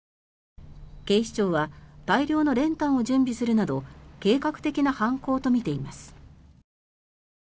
警視庁は大量の練炭を準備するなど計画的な犯行とみています。